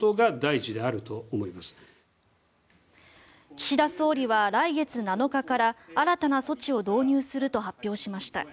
岸田総理は来月７日から新たな措置を導入すると発表しました。